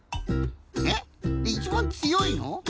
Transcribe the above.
えっいちばんつよいの？